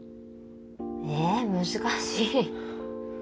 ええ難しい。